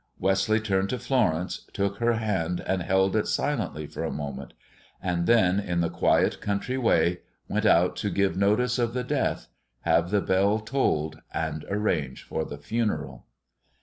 Wesley turned to Florence, took her hand and held it silently for a moment, and then, in the quiet country way, went out to give notice of the death, have the bell tolled, and arrange for the funeral.